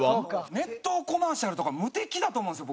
熱湯コマーシャルとか無敵だと思うんですよ